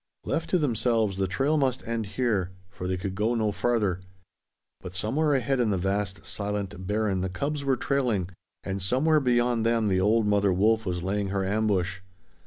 Left to themselves the trail must end here, for they could go no farther; but somewhere ahead in the vast silent barren the cubs were trailing, and somewhere beyond them the old mother wolf was laying her ambush.